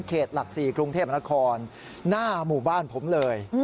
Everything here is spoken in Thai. หลัก๔กรุงเทพนครหน้าหมู่บ้านผมเลย